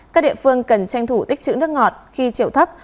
các địa phương cần tranh thủ tích chữ nước ngọt khi triệu thấp